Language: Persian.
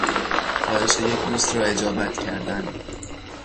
خواهش یک دوست را اجابت کردن